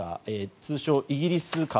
通称イギリス株。